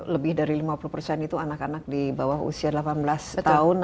lebih dari lima puluh itu anak anak di bawah usia delapan belas tahun